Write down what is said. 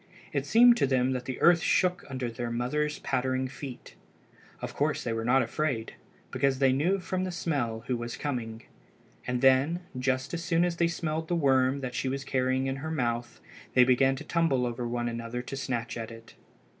It seemed to them that the earth shook under the mother's pattering feet. Of course they were not afraid, because they knew from the smell who was coming. And then, just as soon as they smelled the worm that she was carrying in her mouth, they began to tumble over one another to snatch at it.